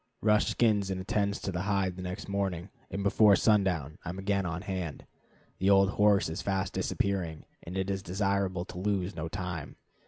Rush skins and attends to the hide the next morning, and before sundown I am again on hand. The old horse is fast disappearing, and it is desirable to lose no time.